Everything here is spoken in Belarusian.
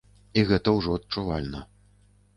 І гэта ўжо адчувальна.